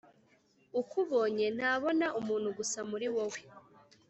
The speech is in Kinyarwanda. ukubonye ntabonaumuntu gusa muri wowe